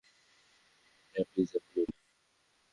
হ্যাঁ, প্লিজ এখনই না।